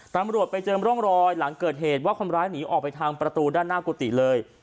ตำรวจไปเจอร่องรอยหลังเกิดเหตุว่าคนร้ายหนีออกไปทางประตูด้านหน้ากุฏิเลย